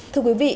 thưa quý vị